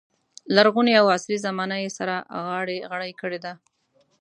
لرغونې او عصري زمانه یې سره غاړه غړۍ کړې دي.